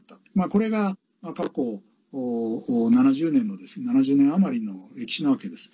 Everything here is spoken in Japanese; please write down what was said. これが過去７０年余りの歴史なわけです。